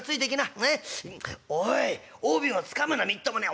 おい帯をつかむなみっともない。